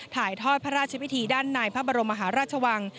ถ่ายทอดพระราชพิธีด้านในพระบรมมหาราชวัง